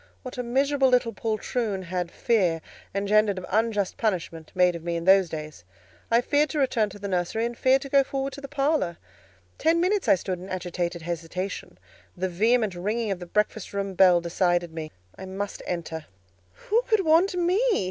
What a miserable little poltroon had fear, engendered of unjust punishment, made of me in those days! I feared to return to the nursery, and feared to go forward to the parlour; ten minutes I stood in agitated hesitation; the vehement ringing of the breakfast room bell decided me; I must enter. "Who could want me?"